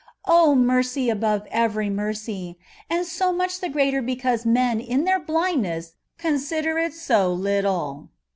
O misery above every misery ! and so much the greater because men in their blindness consider it so little.